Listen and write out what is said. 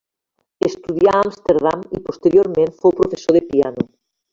Estudià a Amsterdam i posteriorment fou professor de piano.